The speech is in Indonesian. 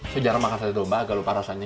sejarah makan sate domba nggak lupa rasanya